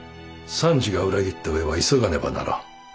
三次が裏切った上は急がねばならん。